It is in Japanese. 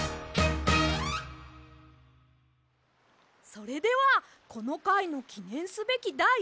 それではこのかいのきねんすべきだい